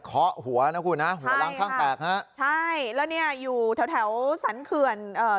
ขอหัวนะคุณฮะหัวล้างข้างแตกฮะใช่แล้วเนี่ยอยู่แถวแถวสันเขื่อนเอ่อ